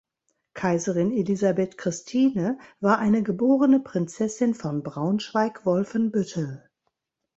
Kaiserin Elisabeth Christine war eine geborene Prinzessin von Braunschweig-Wolfenbüttel.